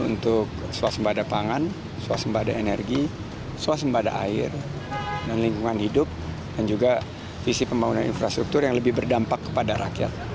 untuk swasembada pangan suasembada energi suasembada air dan lingkungan hidup dan juga visi pembangunan infrastruktur yang lebih berdampak kepada rakyat